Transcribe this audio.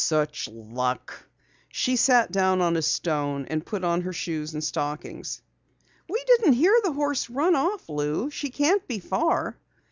"Such luck!" She sat down on a stone and put on her shoes and stockings. "We didn't hear the horse run off, Lou. She can't be far."